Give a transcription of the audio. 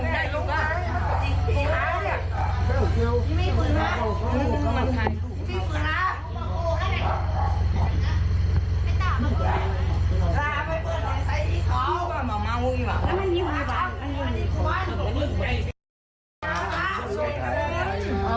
ท่า